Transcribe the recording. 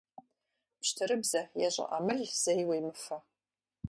Пщтырыбзэ е щӀыӀэмыл зэи уемыфэ.